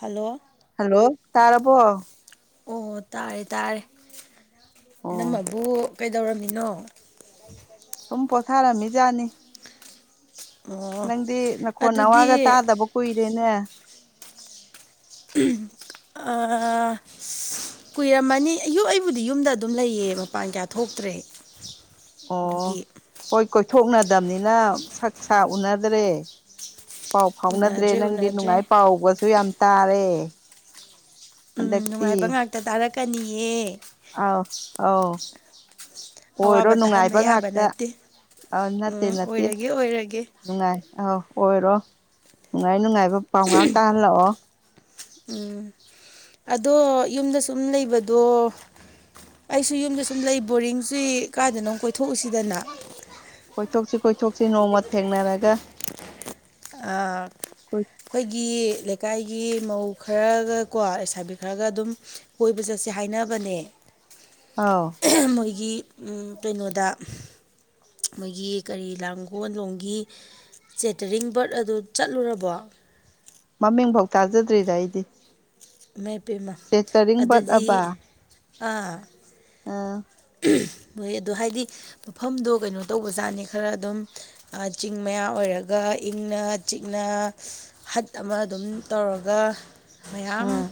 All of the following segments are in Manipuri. ꯍꯜꯂꯣ ꯇꯥꯔꯔꯕꯣ ꯑꯣ ꯇꯥꯔꯦ ꯇꯥꯔꯦ ꯑꯣ ꯏꯅꯝꯝꯕꯕꯨ ꯀꯩꯗꯧꯔꯝꯃꯤꯅꯣ ꯌꯥꯅꯤꯦ ꯑꯣ ꯅꯪꯗꯤ ꯅꯈꯣꯟ ꯅꯋꯥꯒ ꯑꯗꯨꯗꯤ ꯇꯥꯗꯕ ꯀꯨꯏꯔꯦꯅꯦ ꯑ ꯀꯨꯏꯔꯝꯃꯅꯤ ꯑꯣ ꯑꯩꯕꯨꯗꯤ ꯌꯨꯝꯗ ꯑꯗꯨꯝ ꯂꯩꯌꯦ ꯃꯄꯥꯟ ꯀꯌꯥ ꯊꯣꯛꯇ꯭ꯔꯦ ꯑꯣ ꯑꯗꯨꯒꯤ ꯍꯣꯏ ꯀꯣꯏꯊꯣꯛꯅ꯫ ꯅꯗꯝꯅꯤꯅ ꯁꯛ ꯁꯥ ꯎꯅꯗ꯭ꯔꯦ꯫ ꯄꯥꯎ ꯐꯥꯎꯅꯗ꯭ꯔꯦ ꯎꯅꯗ꯭ꯔꯦ ꯅꯪꯗꯤ ꯎꯅꯗ꯭ꯔꯦ ꯅꯨꯡꯉꯥꯏ ꯄꯥꯎꯒꯁꯨ ꯌꯥꯝ ꯇꯥꯔꯦ꯫ ꯎꯝ ꯅꯨꯡꯉꯥꯏꯕ ꯍꯟꯗꯛꯇꯤ ꯉꯥꯛꯇ ꯇꯥꯔꯛꯀꯅꯤꯌꯦ꯫ ꯑꯥꯎ ꯑꯧ ꯑꯣꯏꯔꯣ ꯑꯋꯥꯕ ꯇꯥꯍꯟꯕ ꯅꯨꯡꯉꯥꯏꯕ ꯌꯥꯕ ꯉꯥꯛꯇ꯫ ꯅꯠꯇꯦ ꯑ ꯅꯠꯇꯦ ꯎꯝ ꯅꯠꯇꯦ ꯑꯣꯏꯔꯒꯦ ꯑꯣꯏꯔꯒꯦ ꯅꯨꯡꯉꯥꯏ ꯑꯧ꯫ ꯑꯣꯏꯔꯣ ꯅꯨꯡꯉꯥꯏ ꯅꯨꯡꯉꯥꯏꯕ ꯄꯥꯎ ꯉꯥꯛ ꯇꯥꯍꯜꯂꯛꯑꯣ꯫ ꯎꯝ ꯑꯗꯣ ꯌꯨꯝꯗ ꯁꯨꯝ ꯂꯩꯕꯗꯣ꯫ ꯑꯩꯁꯨ ꯌꯨꯝꯗ ꯁꯨꯝ ꯂꯩ ꯕꯣꯔꯤꯡꯁꯤ ꯀꯥꯏꯗꯅꯣ ꯀꯣꯏꯊꯣꯛꯎꯁꯤꯗꯅ꯫ ꯊꯣꯛꯁꯤ ꯅꯣꯡꯃ ꯊꯦꯡꯅꯔꯒ꯫ ꯑ ꯑꯩꯈꯣꯏꯒꯤ꯫ ꯂꯩꯀꯥꯏꯒꯤ ꯃꯧ ꯈꯔꯒ ꯀꯣ ꯂꯩꯁꯥꯕꯤ ꯈꯔꯒ ꯑꯗꯨꯝ ꯀꯣꯏꯕ ꯆꯠꯁꯦ ꯍꯥꯏꯅꯕꯅꯦ꯫ ꯑꯧ ꯃꯣꯏꯒꯤ ꯀꯩꯅꯣꯗ꯫ ꯃꯣꯏꯒꯤ ꯀꯔꯤ ꯂꯥꯡꯒꯣꯜ ꯂꯣꯝꯒꯤ꯫ ꯆꯦꯇꯔꯤꯡ ꯕꯔꯠ ꯑꯗꯨ ꯆꯠꯂꯨꯔꯕꯣ꯫ ꯃꯃꯤꯡ ꯐꯧ ꯇꯥꯖꯗ꯭ꯔꯤꯗ ꯑꯩꯗꯤ꯫ ꯃꯥꯏ ꯄꯦꯝꯃ ꯆꯦꯇꯔꯤꯡ ꯕꯠ ꯑꯗꯨꯗꯤ ꯑꯕ ꯑꯥ꯫ ꯑꯥ꯫ ꯃꯣꯏ ꯑꯗꯣ ꯍꯥꯏꯗꯤ ꯃꯐꯝꯗꯣ ꯀꯩꯅꯣ ꯇꯧꯕꯖꯥꯠꯅꯤ ꯈꯔ ꯑꯗꯨꯝ ꯆꯤꯡ ꯃꯌꯥ ꯑꯣꯏꯔ꯫ ꯑꯣꯏꯔꯒ ꯏꯪꯅ ꯆꯤꯛꯅ ꯍꯠ ꯑꯃ ꯑꯗꯨꯝ ꯇꯧꯔꯒ꯫ ꯃꯌꯥꯝ ꯑꯥ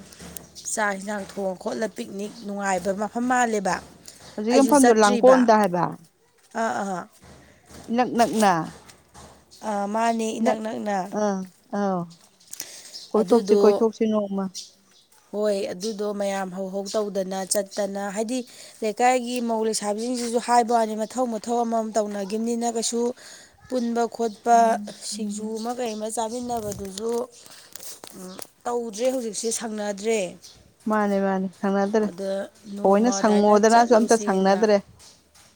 ꯆꯥꯛ ꯌꯦꯟꯁꯥꯡ ꯊꯣꯡꯉ ꯈꯣꯠꯂ ꯄꯤꯛꯅꯤꯛ ꯅꯨꯡꯉꯥꯏꯕ ꯃꯐꯝ ꯃꯥꯜꯂꯦꯕ꯫ ꯍꯧꯖꯤꯛ ꯃꯐꯝꯗꯣ ꯂꯥꯡꯒꯣꯜꯗ ꯍꯥꯏꯕ꯫ ꯑ ꯑꯥꯥ꯫ ꯏ ꯅꯛꯅꯛꯅ꯫ ꯃꯥꯅꯦ ꯏꯅꯛ ꯅꯛꯅ꯫ ꯑꯧ ꯀꯣꯏꯊꯣꯛꯁꯤ ꯑꯗꯨꯗꯣ ꯀꯣꯏꯊꯣꯛꯁꯤ ꯅꯣꯡꯃ꯫ ꯍꯣꯏ ꯑꯗꯨꯗꯣ ꯃꯌꯥꯝ ꯍꯧꯍꯧ ꯇꯧꯗꯅ ꯆꯠꯇꯅ ꯍꯥꯏꯗꯤ ꯂꯩꯀꯥꯏꯒꯤ ꯃꯧ ꯂꯩꯁꯥꯕꯤꯁꯤꯡ꯫ ꯁꯤꯁꯨ ꯍꯥꯏꯕ ꯋꯥꯅꯤ ꯃꯊꯧ ꯃꯊꯧ ꯑꯃꯃꯝ ꯇꯧꯅꯒꯤꯅꯤꯅ ꯀꯩꯁꯨ ꯄꯨꯟꯕ ꯈꯣꯠꯄ꯫ ꯁꯤꯡꯖꯨ ꯑꯃ ꯀꯩ ꯑꯃ ꯆꯥꯃꯤꯟꯅꯕꯗꯨꯁꯨ꯫ ꯎꯝ ꯇꯧꯗ꯭ꯔꯦ ꯍꯧꯖꯤꯛꯁꯦ ꯁꯪꯅꯗ꯭ꯔꯦ꯫ ꯃꯥꯅꯦ ꯃꯥꯅꯦ ꯁꯪꯅꯗ꯭ꯔꯦ ꯑꯗ ꯊꯧꯑꯣꯏꯅ ꯅꯣꯡꯃ ꯑꯗꯨꯃꯥꯏꯅ ꯁꯪꯉꯣꯗꯅꯁꯨ ꯑꯝꯇ ꯆꯠꯂꯨꯁꯦꯅ ꯁꯪꯅꯗ꯭ꯔꯦ꯫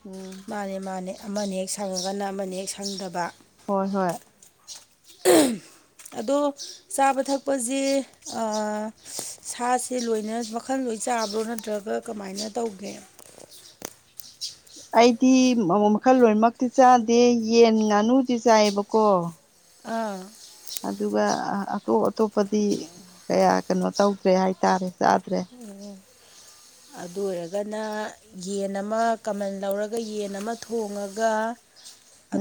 ꯎꯝ ꯃꯥꯅꯦ ꯃꯥꯅꯦ ꯑꯃꯅ ꯍꯦꯛ ꯁꯪꯉꯒꯅ ꯑꯃꯅ ꯍꯦꯛ ꯁꯪꯗꯕ꯫ ꯍꯣꯏ ꯍꯣꯏ꯫ ꯎꯝ꯫ ꯑꯗꯣ ꯆꯥꯕ ꯊꯛꯄꯁꯦ ꯁꯥꯁꯦ ꯂꯣꯏꯅ ꯃꯈꯜꯂꯣꯏ꯫ ꯂꯣꯏ ꯆꯥꯕ꯭ꯔꯣ ꯅꯠꯇ꯭ꯔꯒ ꯀꯃꯥꯏꯅ ꯇꯧꯒꯦ꯫ ꯑꯩꯗꯤ ꯃꯈꯜ ꯂꯣꯏꯃꯛꯇꯤ ꯆꯥꯗꯦ ꯌꯦꯟ ꯉꯥꯅꯨꯗꯤ ꯆꯥꯏꯌꯦꯕꯀꯣ꯫ ꯑꯥ꯫ ꯑꯗꯨꯒ ꯑꯇꯣꯞ ꯑꯇꯣꯞꯄꯗꯤ ꯀꯌꯥ ꯀꯩꯅꯣ ꯇꯧꯗ꯭ꯔꯦ ꯍꯥꯏꯇꯥꯔꯦ꯫ ꯆꯥꯗ꯭ꯔꯦ ꯑꯣ꯫ ꯑꯗꯨ ꯑꯣꯏꯔꯒꯅ ꯌꯦꯟ ꯑꯃ ꯀꯃꯟ ꯂꯧꯔꯒ ꯌꯦꯟ ꯑꯃ ꯊꯣꯡꯉꯒ꯫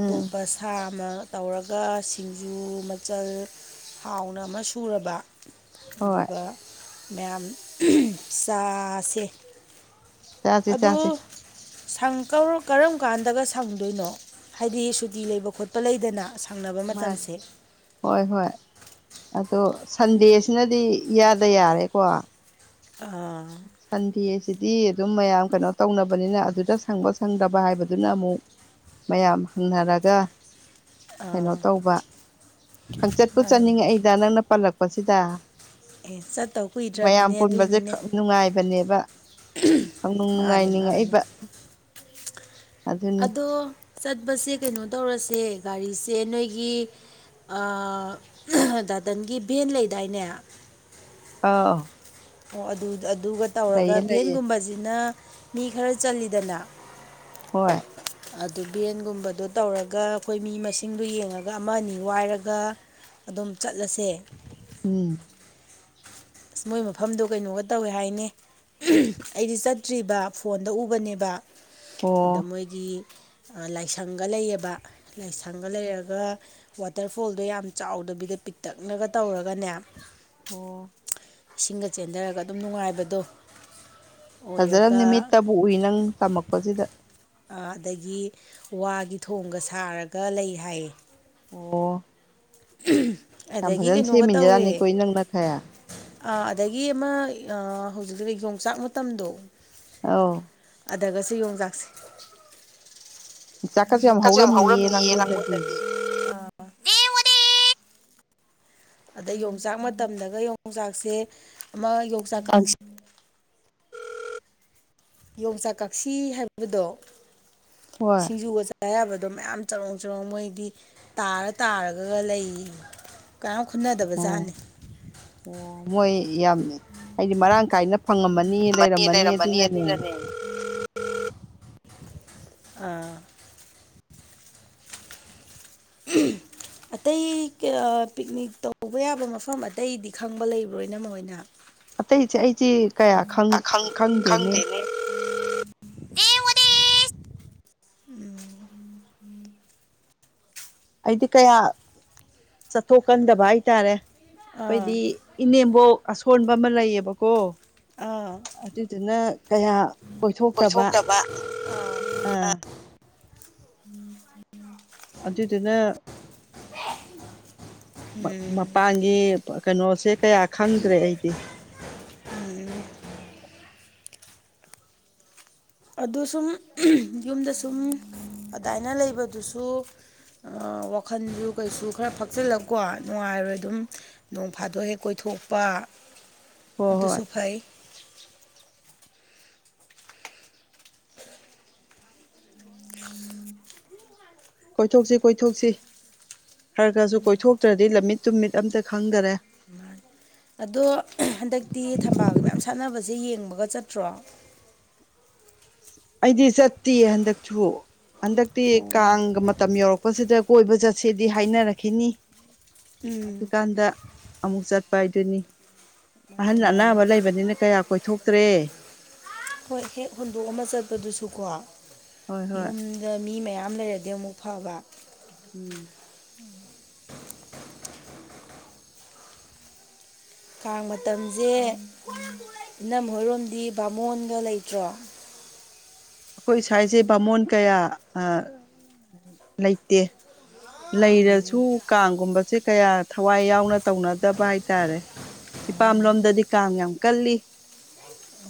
ꯎꯝ ꯁꯥ ꯑꯃ꯫ ꯇꯧꯔꯒ ꯁꯤꯡꯖꯨ ꯃꯆꯜ ꯍꯥꯎꯅ ꯑꯃ ꯁꯨꯔꯕ꯫ ꯍꯣꯏ ꯑꯗꯨꯒ ꯃꯌꯥꯝ ꯆꯥꯁꯦ꯫ ꯆꯥꯁꯦ ꯆꯥꯁꯦ ꯁꯪꯀꯥꯟ ꯀꯔꯝ ꯀꯥꯟꯗꯒ ꯁꯪꯗꯣꯏꯅꯣ ꯍꯥꯏꯗꯤ ꯁꯨꯇꯤ ꯂꯩꯕ ꯈꯣꯠꯄ ꯂꯩꯗꯅ꯫ ꯁꯪꯅꯕ ꯃꯥꯅꯤ ꯃꯇꯝꯁꯦ꯫ ꯍꯣꯏ ꯍꯣꯏ ꯑꯗꯣ ꯁꯟꯗꯦꯁꯤꯅꯗꯤ ꯏꯌꯥꯗ ꯌꯥꯔꯦꯀꯣ꯫ ꯑꯥ ꯁꯟꯗꯦ꯫ ꯁꯤꯗꯤ ꯑꯗꯨꯝ ꯃꯌꯥꯝ ꯀꯩꯅꯣ ꯇꯧꯅꯕꯅꯤꯅ ꯑꯗꯨꯗ ꯁꯪꯕ ꯁꯪꯗꯕ ꯍꯥꯏꯕꯗꯨꯅ ꯑꯃꯨꯛ꯫ ꯃꯌꯥꯝ ꯍꯪꯅꯔꯒ ꯀꯩꯅꯣ ꯑꯥ ꯇꯧꯕ ꯈꯪꯆꯠꯄꯨ ꯃꯥꯅꯦ ꯃꯥꯅꯦ ꯆꯠꯅꯤꯡꯉꯦꯗ ꯅꯪꯅ ꯄꯜꯂꯛꯄꯁꯤꯗ ꯑꯦ ꯆꯠꯇꯧ ꯃꯌꯥꯝ ꯀꯨꯏꯗ꯭ꯔꯕꯅꯤꯅꯦ ꯄꯨꯟꯕꯁꯦ ꯑꯗꯨꯏꯅꯦ ꯅꯨꯡꯉꯥꯏꯕꯅꯦꯕ ꯈꯪꯅꯨꯡ ꯃꯥꯅꯦ ꯃꯥꯅꯦ ꯅꯨꯡꯉꯥꯏꯅꯤꯡꯏꯕꯥ ꯑꯗꯣ ꯆꯠꯄꯁꯦ ꯀꯩꯅꯣ ꯇꯧꯔꯁꯦ ꯒꯥꯔꯤꯁꯦ ꯅꯣꯏꯒꯤ ꯗꯥꯇꯟꯒꯤ ꯚꯦꯟ ꯂꯩꯗꯥꯏꯅꯦ ꯑꯥꯎ ꯑꯣ ꯑꯗꯨꯒ ꯇꯧꯔꯒ ꯂꯩꯌꯦ ꯂꯩꯌꯦ ꯚꯦꯟꯒꯨꯝꯕꯁꯤꯅ ꯃꯤ ꯈꯔ ꯆꯜꯂꯤꯗꯅ ꯍꯣꯏ ꯑꯗꯨ ꯚꯦꯟꯒꯨꯝꯕꯗꯣ ꯇꯧꯔꯒ ꯑꯩꯈꯣꯏ ꯃꯤ ꯃꯁꯤꯡꯗꯣ ꯌꯦꯡꯉꯒ ꯑꯃ ꯑꯅꯤ ꯋꯥꯏꯔꯒ ꯑꯗꯨꯝ ꯆꯠꯂꯁꯦ ꯎꯝ ꯑꯁ ꯃꯣꯏ ꯃꯐꯝꯗꯣ ꯀꯩꯅꯣꯒ ꯇꯧꯏ ꯍꯥꯏꯅꯦ ꯑꯩꯗꯤ ꯆꯠꯇ꯭ꯔꯤꯕ ꯐꯣꯟꯗ ꯎꯕꯅꯦꯕ ꯑꯗꯥ ꯑꯣ ꯃꯣꯏꯒꯤ ꯂꯥꯏꯁꯪꯒ ꯂꯩꯌꯦꯕ ꯂꯥꯏꯁꯪꯒ ꯂꯩꯔꯒ ꯋꯥꯇꯔꯐꯣꯜꯗꯣ ꯌꯥꯝ ꯆꯥꯎꯗꯕꯤꯗ ꯄꯤꯛꯇꯛꯅꯒ ꯇꯧꯔꯒꯅꯦ ꯑꯣ ꯏꯁꯤꯡꯒ ꯆꯦꯟꯊꯔꯒ ꯑꯗꯨꯝ ꯅꯨꯡꯉꯥꯏꯕꯗꯣ ꯐꯖꯅ ꯑꯣꯏꯔꯒ ꯅꯨꯃꯤꯠꯇꯕꯨ ꯎꯏ ꯅꯪ ꯇꯝꯃꯛꯄꯁꯤꯗ ꯑ ꯑꯗꯒꯤ ꯋꯥꯒꯤ ꯊꯣꯡꯒ ꯁꯥꯔꯒ ꯂꯩ ꯍꯥꯏꯌꯦ ꯑꯣ ꯌꯥꯝ ꯑꯗꯒꯤ ꯐꯖꯅ ꯀꯩꯅꯣꯒ ꯇꯧꯋꯦ ꯁꯦꯝꯃꯤꯟꯖꯥꯠꯅꯤꯀꯣ ꯅꯪꯅ ꯈꯔ ꯑꯗꯒꯤ ꯑꯃ ꯍꯧꯖꯤꯛꯀꯤ ꯌꯣꯡꯆꯥꯛ ꯃꯇꯝꯗꯣ ꯑꯎ ꯑꯗꯥꯒꯥꯁꯨ ꯌꯣꯡꯆꯥꯛꯁꯦ ꯀꯁꯨ ꯌꯥꯝ ꯍꯧꯔꯝꯅꯤꯌꯦ ꯂꯥꯡꯒꯣꯜꯗꯗꯤ ꯎꯝ [inaudible] ꯑꯗ ꯌꯣꯡꯆꯥꯛ ꯃꯇꯝꯗꯒ ꯌꯣꯡꯆꯥꯛꯁꯦ ꯑꯃ ꯌꯣꯡꯆꯥꯛ ꯀꯪ [unintelligible] ꯌꯣꯡꯆꯥꯛ ꯀꯛꯁꯤ ꯍꯥꯏꯕꯗꯣ ꯍꯣꯏ ꯁꯤꯡꯖꯨꯒ ꯆꯥ ꯆꯥ ꯌꯥꯕꯗꯣ ꯃꯌꯥꯝ ꯆꯔꯣꯡ ꯆꯔꯣꯡ ꯃꯣꯏꯗꯤ ꯇꯥꯔ ꯇꯥꯔꯒꯒ ꯂꯩꯢ ꯈꯨꯟꯅꯗꯕ ꯑꯣ ꯖꯥꯠꯅꯤ ꯑꯣ ꯃꯣꯏ ꯌꯥꯝ ꯍꯥꯏꯗꯤ ꯃꯔꯥꯡ ꯀꯥꯏꯅ ꯐꯪꯉꯝꯃꯅꯤ ꯂꯩꯔꯝꯃꯅꯤ ꯑꯗꯨꯅꯅꯦ ꯑ ꯎ [inaudible] ꯑꯇꯩ ꯄꯤꯛꯅꯤꯛ ꯇꯧꯕ ꯌꯥꯕ ꯃꯐꯝ ꯑꯇꯩꯗꯤ ꯈꯪꯕ ꯂꯩꯕ꯭ꯔꯣꯏ ꯏꯅꯝꯃꯍꯣꯏꯅꯥ ꯑꯇꯩꯁꯦ ꯑꯩꯁꯦ ꯀꯌꯥ ꯈꯪꯗꯦꯅꯦ ꯅꯦ ꯎꯁ ꯎꯝ ꯑꯩꯗꯤ ꯀꯌꯥ ꯆꯠꯊꯣꯛꯀꯟꯗꯕ ꯍꯥꯏꯇꯥꯔꯦ ꯑꯥ ꯑꯩꯈꯣꯏꯗꯤ ꯏꯅꯦꯝꯕꯣꯛ ꯑꯁꯣꯟꯕ ꯑꯃ ꯂꯩꯌꯦꯕꯀꯣ ꯑꯥ ꯑꯗꯨꯗꯨꯅ ꯀꯌꯥ ꯀꯣꯏꯊꯣꯛꯇꯕ ꯑꯥ ꯎꯝꯝ ꯑꯗꯨꯗꯨꯅ ꯎꯝ ꯃꯄꯥꯟꯒꯤ ꯀꯩꯅꯣꯁꯦ ꯀꯌꯥ ꯈꯪꯗ꯭ꯔꯦ ꯑꯩꯗꯤ ꯑꯗꯨ ꯁꯨꯝ ꯌꯨꯝꯗ ꯁꯨꯝ ꯑꯗꯨꯃꯏꯅ ꯂꯩꯕꯗꯨꯁꯨ ꯋꯥꯈꯜꯁꯨ ꯀꯩꯁꯨ ꯈꯔ ꯐꯛꯆꯜꯂꯒꯀꯣ ꯅꯨꯡꯉꯥꯏꯔꯣꯏ ꯑꯗꯨꯝ ꯅꯣꯡ ꯐꯥꯗꯣꯛ ꯍꯦꯛ ꯀꯣꯏꯊꯣꯛ ꯊꯣꯛꯄ ꯍꯣꯏ ꯍꯣꯏ ꯑꯗꯨꯁꯨ ꯐꯩ ꯀꯣꯏꯊꯣꯛꯁꯤ ꯀꯣꯏꯊꯣꯛꯁꯤ ꯈꯔ ꯈꯔꯁꯨ ꯀꯣꯏꯊꯣꯛꯇ꯭ꯔꯗꯤ ꯂꯝꯃꯤꯠ ꯇꯨꯃꯤꯠ ꯑꯝꯇ ꯈꯪꯗꯔꯦ ꯑꯗꯣ ꯁꯤꯦ ꯌꯦꯡꯕꯒ ꯆꯠꯇ꯭ꯔꯣ ꯑꯩꯗꯤ ꯆꯠꯇꯦ ꯍꯟꯗꯛꯁꯨ ꯍꯟꯗꯛꯇꯤ ꯑꯣ ꯀꯥꯡꯒ ꯃꯇꯝ ꯌꯧꯔꯛꯄꯁꯤꯗ ꯀꯣꯏꯕ ꯆꯠꯁꯦꯗꯤ ꯍꯥꯏꯅꯔꯛꯈꯤꯅꯤ ꯎꯝ ꯑꯗꯨꯀꯥꯟꯗ ꯑꯃꯨꯛ ꯆꯠꯄ ꯍꯥꯏꯗꯨꯅꯤ ꯑꯍꯟ ꯃꯥꯅꯦ ꯃꯥꯅꯦ ꯑꯅꯥꯕ ꯂꯩꯕꯅꯤꯅ ꯀꯌꯥ ꯀꯣꯏꯊꯣꯛꯇ꯭ꯔꯦ ꯍꯣꯏ ꯍꯦꯛ ꯍꯨꯟꯗꯣꯛꯑ ꯑꯃ ꯆꯠꯄꯗꯨꯁꯨꯀꯣ ꯍꯣꯏ ꯍꯣꯏ ꯌꯨꯝꯗ ꯃꯤ ꯃꯌꯥꯝ ꯌꯥꯝ ꯂꯩꯔꯗꯤ ꯑꯃꯨꯛ ꯐꯕ ꯎꯝ ꯎꯝ ꯀꯥꯡꯥꯡ ꯃꯇꯝꯁꯦ ꯏꯅꯝ ꯍꯣꯏꯔꯣꯝꯗꯤ ꯕꯥꯃꯣꯟꯒ ꯂꯩꯇ꯭ꯔꯣ ꯑꯩꯈꯣꯏ ꯁ꯭ꯋꯥꯏꯁꯦ ꯕꯥꯃꯣꯟ ꯀꯌꯥ ꯂꯩꯇꯦ ꯂꯩꯔꯁꯨ ꯀꯥꯡꯒꯨꯝꯕꯁꯦ ꯀꯌꯥ ꯊꯋꯥꯏ ꯌꯥꯎꯅ ꯇꯧꯅꯗꯕ ꯍꯥꯏꯇꯥꯔꯦ ꯏꯄꯥꯝ ꯂꯣꯝꯗꯗꯤ ꯀꯥꯡ ꯌꯥꯝ ꯀꯜꯂꯤ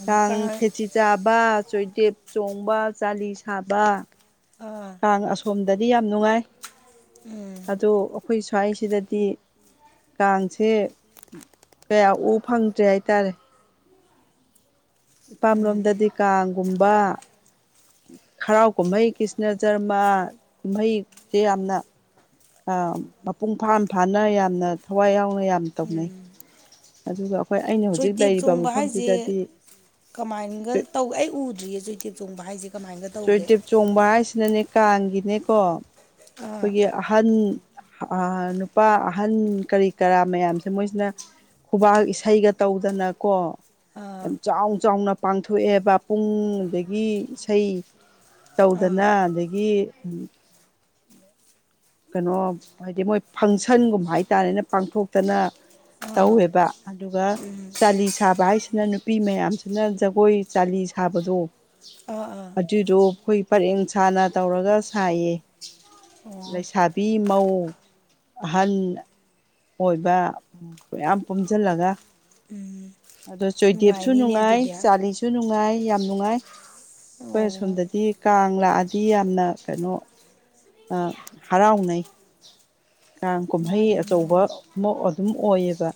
ꯀꯥꯡ ꯈꯦꯆꯤ ꯆꯥꯕ ꯆꯣꯏꯗꯦꯞ ꯆꯣꯡꯕ ꯆꯥꯂꯤ ꯁꯥꯕ ꯑꯥ ꯀꯥꯡ ꯑꯁꯣꯝꯗꯗꯤ ꯌꯥꯝ ꯅꯨꯡꯉꯥꯏ ꯎꯝ ꯑꯗꯣ ꯑꯩꯈꯣꯏ ꯁ꯭ꯋꯥꯏꯁꯤꯗꯗꯤ ꯀꯥꯡꯁꯦ ꯀꯌꯥ ꯎ ꯐꯪꯗ꯭ꯔꯦ ꯍꯥꯏꯇꯥꯔꯦ ꯏꯄꯥꯝꯂꯣꯝꯗꯗꯤ ꯀꯥꯡꯒꯨꯝꯕ ꯍꯔꯥꯎ ꯀꯨꯝꯍꯩ ꯀ꯭ꯔꯤꯁꯅ ꯖꯔꯃ ꯀꯨꯝꯍꯩꯁꯦ ꯌꯥꯝꯅ ꯑ ꯃꯄꯨꯡ ꯐꯥꯅ ꯐꯥꯅ ꯌꯥꯝꯅ ꯊꯋꯥꯏ ꯌꯥꯎꯅ ꯌꯥꯝ ꯇꯧꯅꯩ ꯑꯗꯨ ꯆꯣꯏꯇꯦꯞ ꯆꯣꯡꯕ ꯍꯥꯏꯁꯦ ꯀꯃꯥꯏꯅꯒ ꯇꯧ ꯑꯩ ꯎꯗ꯭ꯔꯤꯦꯁꯨ ꯏꯇꯦꯛ ꯆꯣꯡꯕ ꯍꯥꯏꯁꯦ ꯀꯃꯥꯏꯅꯒ ꯇꯧꯒꯦ ꯆꯣꯏꯇꯦꯞ ꯆꯣꯡꯕ ꯍꯥꯏꯁꯤꯅꯅꯦ ꯀꯥꯡꯒꯤꯅꯦꯀꯣ ꯑꯥ ꯑꯩꯈꯣꯏꯒꯤ ꯑꯍꯟ ꯑ ꯅꯨꯄꯥ ꯑꯍꯟ ꯀꯔꯤ ꯀꯔꯥ ꯃꯌꯥꯝꯁꯦ ꯃꯣꯏꯁꯤꯅ ꯈꯨꯕꯥꯛ ꯏꯁꯩꯒ ꯇꯧꯗꯅꯀꯣ ꯑꯥ ꯌꯥꯝ ꯆꯥꯎ ꯆꯥꯎꯅ ꯄꯥꯡꯊꯣꯛꯑꯦꯕ ꯄꯨꯡ ꯑꯗꯒꯤ ꯏꯁꯩ ꯑꯥ ꯇꯧꯗꯅ ꯑꯗꯒꯤ ꯀꯩꯅꯣ ꯍꯥꯏꯗꯤ ꯃꯣꯏ ꯐꯪꯁꯟꯒꯨꯝꯕ ꯍꯥꯏꯇꯥꯔꯦꯅꯦ ꯄꯥꯡꯊꯣꯛꯇꯅ ꯑꯥ ꯇꯧꯋꯦꯕ ꯑꯗꯨꯒ ꯎꯝ ꯆꯥꯂꯤ ꯁꯥꯕ ꯍꯥꯏꯁꯤꯅ ꯅꯨꯄꯤ ꯃꯌꯥꯝꯁꯤꯅ ꯖꯒꯣꯏ ꯆꯥꯂꯤ ꯁꯥꯕꯗꯣ ꯑꯥ ꯑꯥ ꯑꯗꯨꯏꯗꯣ ꯑꯩꯈꯣꯏ ꯄꯔꯦꯡ ꯁꯥꯅ ꯇꯧꯔꯒ ꯁꯥꯏꯌꯦ ꯑꯣ ꯂꯩꯁꯥꯕꯤ ꯃꯧ ꯑꯍꯟ ꯑꯣꯏꯕ ꯃꯌꯥꯝ ꯄꯨꯨꯝꯁꯤꯜꯂꯒ ꯎꯝ ꯑꯗꯨ ꯖꯣꯏꯗꯦꯕꯁꯨ ꯅꯨꯡꯉꯥꯏꯅꯤꯅꯦ ꯅꯨꯡꯉꯥꯏ ꯑꯗꯨꯗꯤ ꯆꯥꯂꯤꯁꯨ ꯅꯨꯡꯉꯥꯏ ꯌꯥꯝ ꯅꯨꯡꯉꯥꯏ ꯑꯩꯈꯣꯏ ꯑꯣ ꯑꯁꯣꯝꯗꯗꯤ ꯀꯥꯡ ꯀꯪꯂꯛꯑꯗꯤ ꯌꯥꯝꯅ ꯀꯩꯅꯣ ꯍꯔꯥꯎꯅꯩ ꯀꯥꯡ ꯀꯨꯝꯍꯩ ꯃꯥꯅꯤ ꯑꯆꯧꯕ ꯃꯥꯅꯤ ꯑꯃ ꯑꯗꯨꯝ ꯑꯣꯏꯌꯦꯕ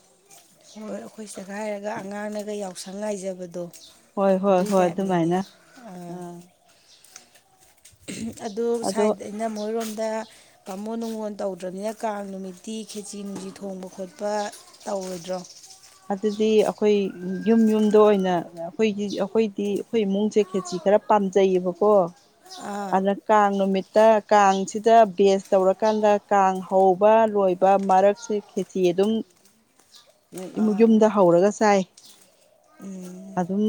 ꯍꯣꯏ ꯑꯩꯈꯣꯏ ꯁꯤꯗ ꯍꯥꯏꯔꯒ ꯑꯉꯥꯡꯅꯒ ꯌꯥꯎꯁꯪ ꯉꯥꯏꯖꯕꯗꯣ ꯍꯣꯏ ꯍꯣꯏ ꯑꯗꯨꯏ ꯍꯣꯏ ꯇꯥꯏꯞꯅꯤꯅꯦ ꯑꯗꯨꯃꯥꯏꯅ ꯑꯥ ꯑꯗꯨ ꯑꯗꯣ ꯁꯥꯏꯗ ꯑꯩꯅ ꯃꯣꯏꯔꯣꯝ ꯗ ꯀꯥꯃꯣꯟ ꯅꯨꯡꯉꯣꯟ ꯇꯧꯗ꯭ꯔꯕꯅꯤꯅ ꯀꯥꯡ ꯅꯨꯃꯤꯠꯇꯤ ꯈꯦꯆꯤ ꯅꯨꯡꯁꯤꯤ ꯊꯣꯡꯕ ꯈꯣꯠꯄ ꯇꯧ ꯍꯧꯔꯣꯏꯗ꯭ꯔꯣ ꯑꯗꯨꯗꯤ ꯑꯩꯈꯣꯏ ꯌꯨꯝ ꯌꯨꯝꯗ ꯑꯣꯏꯅ ꯑꯩꯈꯣꯏ ꯑꯩꯈꯣꯏꯗꯤ ꯑꯩꯈꯣꯏ ꯏꯃꯨꯡꯁꯦ ꯈꯦꯠꯆ ꯈꯔ ꯄꯥꯝꯖꯩꯌꯦꯕꯀꯣ ꯑꯥ ꯑꯗꯨꯅ ꯀꯥꯡ ꯅꯨꯃꯤꯠꯇ ꯀꯥꯡꯁꯤꯗ ꯕꯦꯁ ꯇꯧꯔꯀꯥꯟꯗ ꯀꯥꯡ ꯍꯧꯕ ꯂꯣꯏꯕ ꯃꯔꯛꯁꯦ ꯈꯦꯇ ꯑꯗꯨꯝ ꯑꯥ ꯌꯨꯝꯗ ꯍꯧꯔꯒ ꯆꯥꯏ ꯎꯝ ꯑꯗꯨꯝ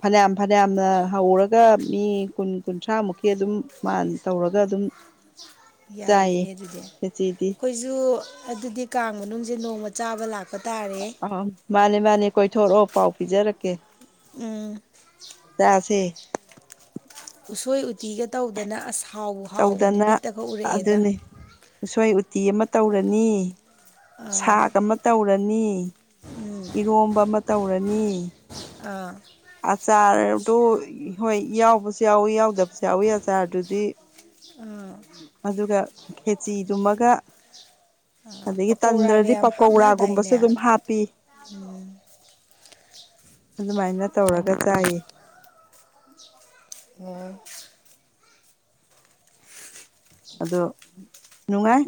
ꯐꯅꯌꯥꯝ ꯐꯅꯌꯥꯝꯅ ꯍꯧꯔꯒ ꯃꯤ ꯀꯨꯟ ꯀꯨꯟꯊ꯭ꯔꯥꯃꯨꯛꯀꯤ ꯑꯗꯨꯝ ꯃꯥꯅ ꯇꯧꯔꯒ ꯑꯗꯨꯝ [inaudible] ꯆꯥꯏꯌꯦ ꯌꯥꯝꯃꯤꯅꯦ ꯑꯗꯨꯗꯤ ꯈꯦꯆꯤꯗꯤ ꯑꯩꯈꯣꯏꯁꯨ ꯑꯗꯨꯗꯤ ꯀꯥꯡ ꯃꯅꯨꯡꯁꯦ ꯅꯣꯡꯃ ꯆꯥꯕ ꯂꯥꯛꯄ ꯄ ꯇꯥꯔꯦ ꯑꯥ ꯃꯥꯅꯦ ꯃꯥꯅꯦ ꯀꯣꯏꯊꯣꯔꯛꯑꯣ ꯄꯥꯎ ꯄꯤꯖꯔꯛꯀꯦ ꯎꯝ ꯇꯁꯦ ꯎꯁꯣꯏ ꯎꯇꯤꯒ ꯇꯧꯗꯅ ꯑꯁ ꯍꯥꯎꯕ ꯍꯥꯎꯕ ꯅꯨ ꯇꯧꯗꯅ ꯃꯤꯠꯇ ꯈꯛ ꯎꯔꯛꯑꯦꯗ ꯎꯣꯇꯤ ꯑꯃ ꯇꯧꯔꯅꯤ ꯑꯥ ꯁꯥꯛ ꯑꯃ ꯇꯧꯔꯅꯤ ꯏꯔꯣꯝꯕ ꯑꯃ ꯇꯧꯔꯅꯤ ꯑꯥ ꯑꯆꯥꯔꯗꯨ ꯍꯣꯏ ꯌꯥꯎꯕꯁꯨ ꯌꯥꯎꯋꯤ ꯌꯥꯎꯗꯕꯁꯨ ꯌꯥꯎꯏꯤ ꯑꯆꯥꯔꯗꯨꯗꯤ ꯎꯝ ꯑꯗꯨꯒ ꯈꯦꯆꯤꯗꯨꯃꯒ ꯑꯗꯒꯤ ꯄꯀꯧꯔꯥꯒ ꯇꯟꯗ꯭ꯔꯗꯤ ꯌꯥꯝ ꯄꯀꯧꯔꯥꯒꯨꯝꯕꯁꯨ ꯍꯥꯞꯅꯗꯥꯏꯅꯦ ꯑꯣ ꯑꯗꯨꯝ ꯍꯥꯞꯄꯤ ꯑꯗꯨꯃꯥꯏꯅ ꯇꯧꯔꯒ ꯆꯥꯏꯌꯦ ꯑꯣ ꯑꯗꯣ ꯅꯨꯡꯉꯥꯏ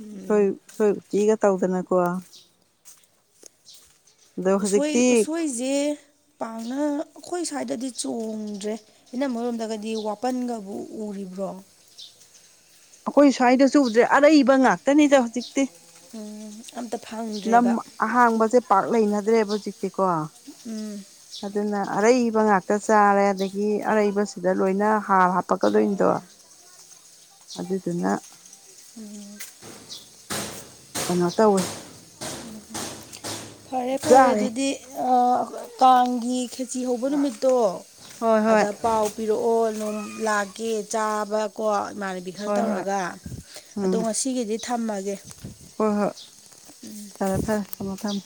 ꯎꯝ [unintelligible] ꯤꯒ ꯇꯧꯗꯅ ꯀꯣꯋꯥ ꯎꯁꯣꯏ ꯍꯧꯖꯤꯛꯇꯤ ꯎꯁꯣꯏꯁꯦ ꯄꯥꯡꯅ ꯑꯩꯈꯣꯏ ꯁ꯭ꯥꯏꯏꯗꯗꯤ ꯆꯣꯡꯗ꯭ꯔꯦ ꯏꯅꯝ ꯃꯔꯔꯣꯝꯗꯒꯗꯤ ꯋꯥꯄꯟꯒꯕꯨ ꯎꯔꯤꯕ ꯔꯣ ꯑꯩꯈꯣꯏ ꯁ꯭ꯋꯥꯏꯗꯁꯨ ꯎꯗ꯭ꯔꯦ ꯑꯔꯩꯕ ꯉꯥꯛꯇꯅꯤꯗ ꯍꯧꯖꯤꯛꯇꯤ ꯎꯝ ꯑꯝꯇ ꯂꯝ ꯐꯪꯗ꯭ꯔꯦꯕ ꯑꯍꯥꯡꯕꯁꯦ ꯄꯥꯛ ꯂꯩꯅꯗ꯭ꯔꯦꯕ ꯍꯧꯖꯤꯛꯇꯤ ꯀꯣ ꯎꯝ ꯑꯗꯨꯅ ꯑꯔꯩꯕ ꯉꯥꯛꯇ ꯍꯛꯇ ꯆꯥꯔꯦ ꯑꯗꯒꯤ ꯑꯔꯩꯕꯁꯤꯗ ꯂꯣꯏꯅ ꯍꯥꯔ ꯍꯥꯞꯄꯛꯀꯗꯣꯏꯅꯤꯗꯣ ꯑꯗꯨꯗꯨꯅ ꯎꯝ [inaudible] ꯀꯩꯅꯣ ꯇꯧꯋꯦ ꯐꯔꯦ ꯐꯔꯦ ꯆꯥꯔꯦ ꯑꯗꯨꯗꯤ ꯀꯥꯡꯒꯤ ꯆꯤ ꯍꯧꯕ ꯅꯨꯃꯤꯠꯇꯣ ꯍꯣꯏ ꯍꯣꯏ ꯑꯗ ꯄꯥꯎ ꯄꯤꯔꯛꯑꯣ ꯅꯝ ꯂꯥꯛꯀꯦ ꯆꯥꯕꯀꯣ ꯏꯃꯥꯟꯅꯕꯤ ꯈꯔ ꯍꯣꯏ ꯍꯣꯏ ꯇꯧꯔꯒ ꯑꯗꯣ ꯎꯝ ꯉꯁꯤꯒꯤꯗꯤ ꯊꯝꯃꯒꯦ ꯍꯣꯏ ꯍꯣꯏ ꯐꯔꯦ ꯐꯔꯦ ꯊꯝꯃꯣ ꯊꯝꯃꯣ